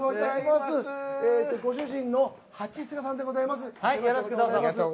ご主人の蜂須賀さんでございます。